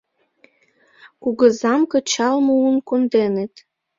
Кугызам кычал муын конденыт.